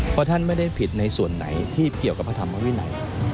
เพราะท่านไม่ได้ผิดในส่วนไหนที่เกี่ยวกับพระธรรมวินัย